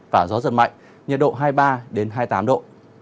và gió giật mạnh nhiệt độ hai mươi ba hai mươi tám độ